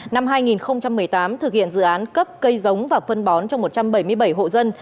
năm hai nghìn một mươi tám thực hiện dự án cấp cây giống và phân bón cho một trăm bảy mươi bảy hộ dân